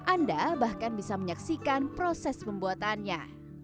anda bahkan bisa menyaksikan proses pembuatannya